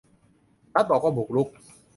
รัฐบอกว่าบุกรุก